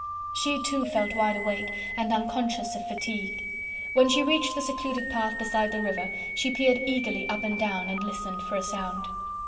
She too felt wide awake and unconscious of fatigue; when she reached the secluded path beside the river, she peered eagerly up and down, and listened for a sound.